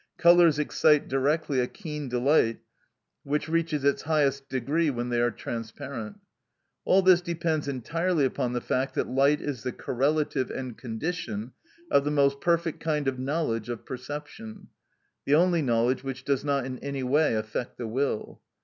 Colours excite directly a keen delight, which reaches its highest degree when they are transparent. All this depends entirely upon the fact that light is the correlative and condition of the most perfect kind of knowledge of perception, the only knowledge which does not in any way affect the will.